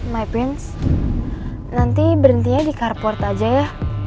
my prince nanti berhentinya di carport aja ya